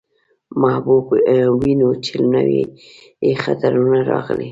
محبوب وينو، چې نوي يې خطونه راغلي.